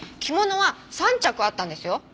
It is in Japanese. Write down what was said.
着物は３着あったんですよ。